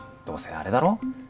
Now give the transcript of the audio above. どうせあれだろ？